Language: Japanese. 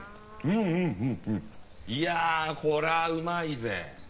いやー、これはうまいぜ。